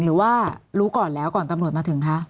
หรือว่ารู้ก่อนแล้วก่อนตำรวจมาถึงคะ